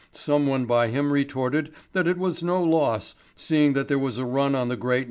Someone by him retorted that it was no loss, seeing that there was a run on the great National Bank.